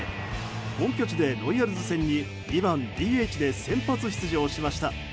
本拠地でロイヤルズ戦に２番ＤＨで先発出場しました。